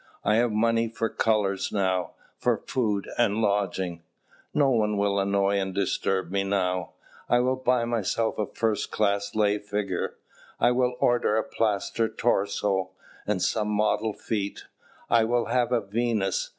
I have money for colours now; for food and lodging no one will annoy and disturb me now. I will buy myself a first class lay figure, I will order a plaster torso, and some model feet, I will have a Venus.